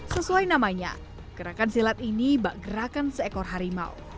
sesuai namanya gerakan silat ini bergerakan seekor harimau